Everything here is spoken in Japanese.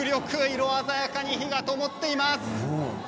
色鮮やかに灯がともっています。